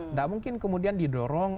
nggak mungkin kemudian didorong